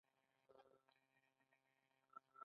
ساده او پانګوالي تولید په یوه شي کې ورته دي.